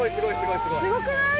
すごくない？